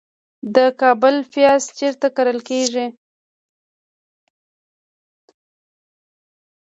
د کابل پیاز چیرته کرل کیږي؟